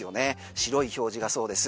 白い表示がそうです。